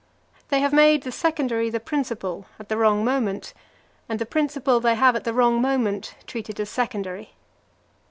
They have made the secondary the principal at the wrong moment, and the principal they have at the wrong moment treated as secondary.